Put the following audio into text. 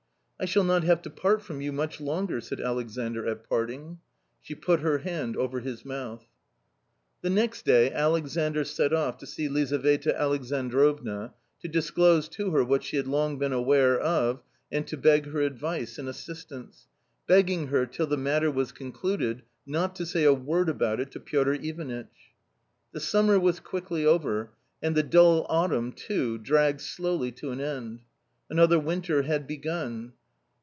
"I shall not have to part from you much longer/' said Alexandr at parting. She put her hand over his mouth. The next day Alexandr set off to see Lizaveta Alex androvna, to disclose to her what she had long been aware of, and to beg her advice and assistance ; begging her, till the matter was concluded, not to say a word about it to Piotr Ivanitch. The summer was quickly over, and the dull autumn too dragged slowly to an end. Another winter had began.